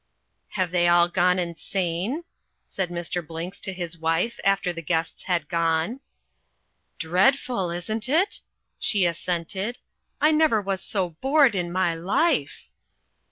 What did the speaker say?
"Have they all gone insane?" said Mr. Blinks to his wife after the guests had gone. "Dreadful, isn't it?" she assented. "I never was so bored in my life."